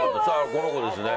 このコですね。